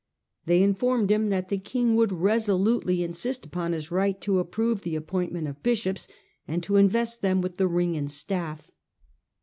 They informed him that the king would resolutely insist upon his right to approve the appointment of bishops, and to invest them with the ring and staff.